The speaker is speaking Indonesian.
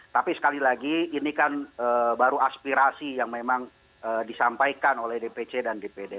tapi sekali lagi ini kan baru aspirasi yang memang disampaikan oleh dpc dan dpd